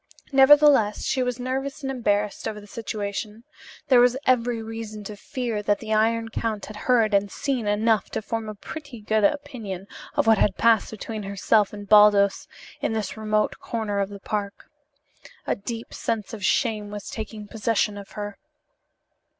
Nevertheless, she was nervous and embarrassed over the situation. There was every reason to fear that the Iron Count had heard and seen enough to form a pretty good opinion of what had passed between herself and Baldos in this remote corner of the park. A deep sense of shame was taking possession of her.